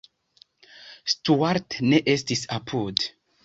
Stuart ne estis apud.